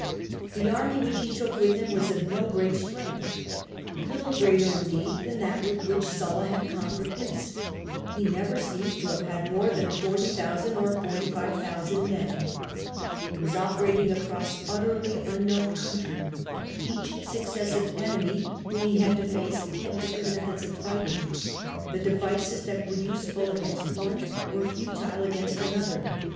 The army which he took with him was of no great strength — little greater, indeed, than that with which Sulla had conquered Greece : he never seems to have had more than 40,000 or 45,000 men. He was operating across utterly unknown country ; each successive enemy whom he had to face had diffe rent methods of fighting; the devices that were useful against one were futile against another.